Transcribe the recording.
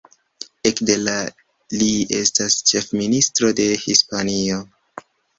Ekde la li estas ĉefministro de Hispanio.